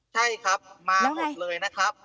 ใช่ครับมาหมดเลยนะครับ